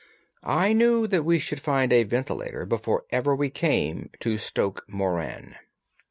"I knew that we should find a ventilator before ever we came to Stoke Moran."